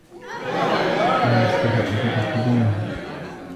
وَمِنْ السَّرَائِرِ مَخْزُونَهَا